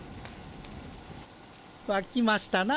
わきましたな。